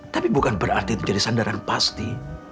tapi bukan berarti itu jadi sandaran pasti